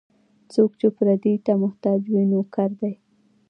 څوک چې پردي ته محتاج وي، نوکر دی.